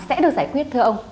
sẽ được giải quyết thưa ông